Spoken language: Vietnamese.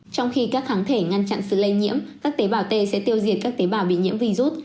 trong khi các kháng thể ngăn chặn sự lây nhiễm các tế bào t sẽ tiêu diệt các tế bào bị nhiễm virus